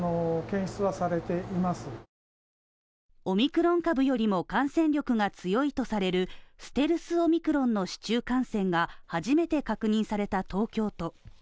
オミクロン株よりも感染力が強いとされるステルスオミクロンの市中感染が初めて確認された東京都。